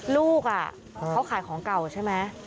ลูกเขาขายของเก่าใช่ไหม